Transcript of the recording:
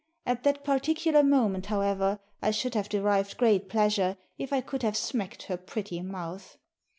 At that partic ular moment, however, I should have derived great pleasure if I could have smacked her pretty mouth.